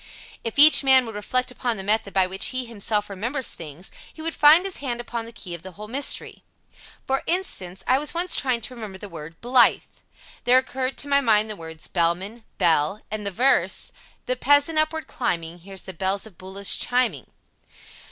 If each man would reflect upon the method by which he himself remembers things, he would find his hand upon the key of the whole mystery. For instance, I was once trying to remember the word "Blythe." There occurred to my mind the words "Bellman," "Belle," and the verse: " the peasant upward climbing Hears the bells of Buloss chiming."